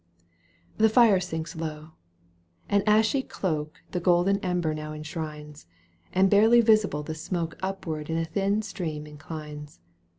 The fire sinks low. An ashy cloak The golden ember now enshrines, And barely visible the smoke Upward in a thin stream inclines.